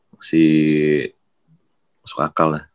masih masuk akal lah